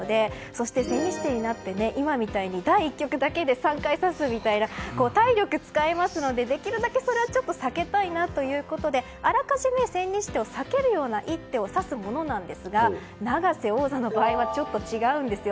そして、千日手になって今みたいに第１局だけで３回指すみたいな体力を使いますのでできるだけそれは避けたいなということであらかじめ千日手を避けるような一手を指すものなんですが永瀬王座の場合はちょっと違うんですよ。